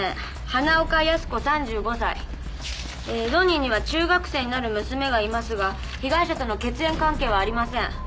花岡靖子３５歳えー同人には中学生になる娘がいますが被害者との血縁関係はありません